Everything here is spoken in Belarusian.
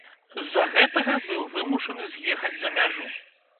З за гэтага быў вымушаны з'ехаць за мяжу.